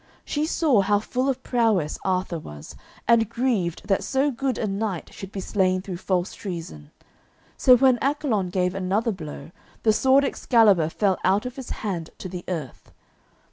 She saw how full of prowess Arthur was, and grieved that so good a knight should be slain through false treason. So when Accolon gave another blow, the sword Excalibur fell out of his hand to the earth.